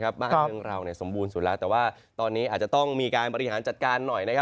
บ้านเมืองเราสมบูรณสุดแล้วแต่ว่าตอนนี้อาจจะต้องมีการบริหารจัดการหน่อย